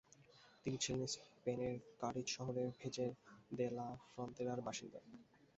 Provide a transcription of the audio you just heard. তিনি ছিলেন স্পেনের কাডিজ শহরের ভেজের দে লা ফ্রন্তেরারর বাসিন্দা।